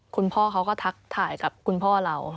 คุณพ่อเขาก็ทักทายกับคุณพ่อเรา